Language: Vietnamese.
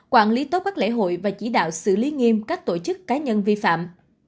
quản lý tốt các lễ hội và chỉ đạo xử lý nghiêm các tổ chức cá nhân vi phạm